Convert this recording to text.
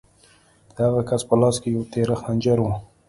د هغه کس په لاس کې یو تېره خنجر و